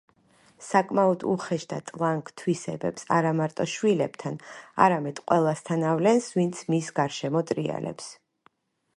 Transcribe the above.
საკმაოდ უხეშ და ტლანქ თვისებებს არამარტო შვილებთან, არამედ ყველასთან ავლენს, ვინც მის გარშემო ტრიალებს.